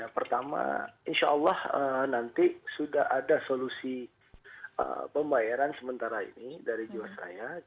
pertama insya allah nanti sudah ada solusi pembayaran sementara ini dari jiwasraya